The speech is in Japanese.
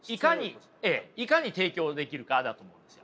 いかに提供できるかだと思うんですよ。